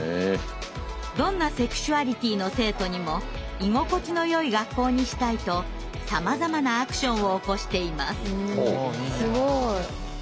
どんなセクシュアリティーの生徒にも居心地のよい学校にしたいとさまざまなアクションを起こしています。